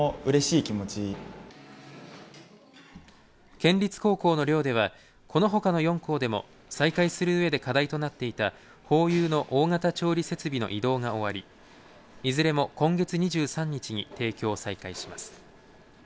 県立高校の寮ではこのほかの４校でも再開するうえで課題となっていたホーユーの大型調理設備の移動が終わりいずれも今月２３日に提供を再開します。